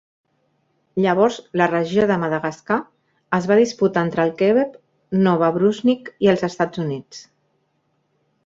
Llavors la regió de Madawaska es va disputar entre el Quebec, Nova Brunsvic i els Estats Units.